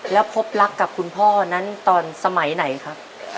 แล้วพบรักกับคุณพ่อนั้นตอนสมัยไหนครับ